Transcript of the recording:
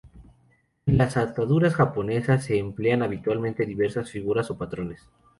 En las ataduras japonesas se emplean habitualmente diversas figuras o patrones.